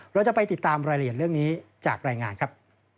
เราจะไปติดตามรายละเอียดเรื่องนี้จากรายงานครับ